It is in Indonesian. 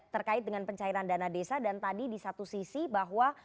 terkait dengan pencairan dana desa dan tadi di satu sisi bahwa